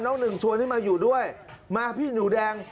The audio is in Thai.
หนึ่งชวนให้มาอยู่ด้วยมาพี่หนูแดง